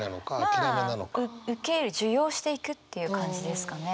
受ける受容していくっていう感じですかね。